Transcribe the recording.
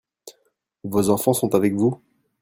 Vos enfants sont avec vous ?